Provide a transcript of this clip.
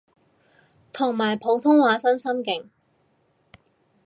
同埋普通話真心勁